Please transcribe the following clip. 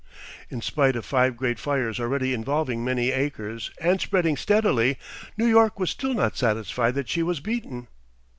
In spite of five great fires already involving many acres, and spreading steadily, New York was still not satisfied that she was beaten.